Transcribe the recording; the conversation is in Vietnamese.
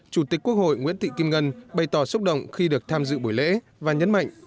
chủ tịch quốc hội nguyễn thị kim ngân bày tỏ xúc động khi được tham dự buổi lễ và nhấn mạnh